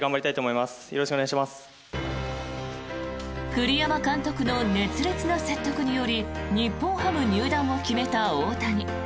栗山監督の熱烈な説得により日本ハム入団を決めた大谷。